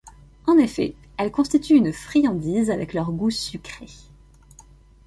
En effet, elles constituent une friandise avec leur goût sucré.